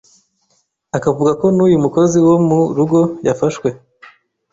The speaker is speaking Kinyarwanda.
akavuga ko n’uyu mukozi wo mu rugo yafashwe.